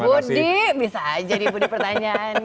budi bisa aja nih budi pertanyaan